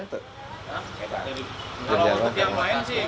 kalau untuk yang lain sih